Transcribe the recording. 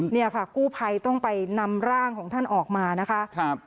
เนี่ยค่ะกู้ภัยต้องไปนำร่างของท่านออกมานะคะ